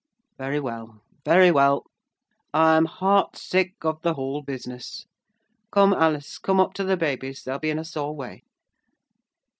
"Very well, very well! I am heart sick of the whole business. Come, Alice, come up to the babies they'll be in a sore way.